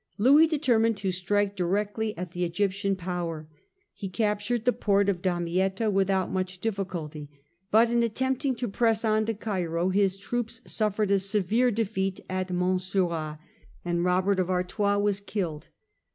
Louis de termined to strike directly at the Egyptian power. He captured the port of Damietta without much difficulty, but in attempting to press on to Cairo his troops suffered a severe defeat at Mansourah, and Eobert of Artois was killed.